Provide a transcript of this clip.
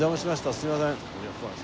すみません。